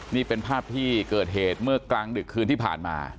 นี่เป็นภาพที่เกิดเหตุเมื่อกลางดึกคืนที่ผ่านมา